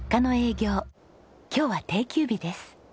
今日は定休日です。